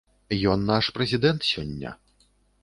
Ён наш прэзідэнт сёння.